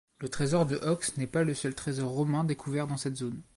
Le trésor de Hoxne n'est pas le seul trésor romain découvert dans cette zone.